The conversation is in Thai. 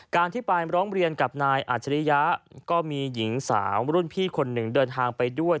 การที่ไปร้องเรียนกับนายอัจฉริยะก็มีหญิงสาวรุ่นพี่คนหนึ่งเดินทางไปด้วย